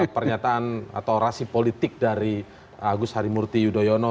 pernyataan atau orasi politik dari agus harimurti yudhoyono